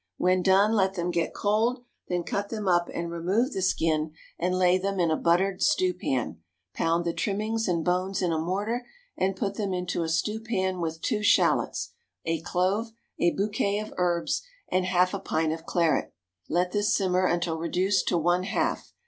When done let them get cold, then cut them up and remove the skin, and lay them in a buttered stewpan; pound the trimmings and bones in a mortar, and put them into a stewpan with two shallots, a clove, a bouquet of herbs, and half a pint of claret; let this simmer until reduced to one half.